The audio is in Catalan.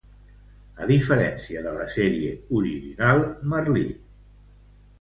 A diferència de la sèrie original, Merlí.